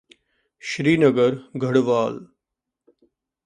ਸ਼੍ਰੀ ਨਗਰ Garhwal